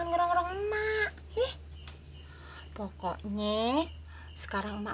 semua barang udah pada diangkutin kok